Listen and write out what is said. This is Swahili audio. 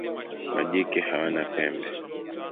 Majike hawana pembe.